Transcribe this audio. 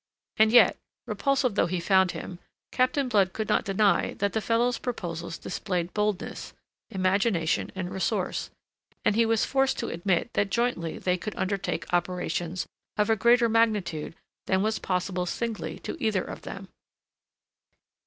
And yet, repulsive though he found him, Captain Blood could not deny that the fellow's proposals displayed boldness, imagination, and resource, and he was forced to admit that jointly they could undertake operations of a greater magnitude than was possible singly to either of them.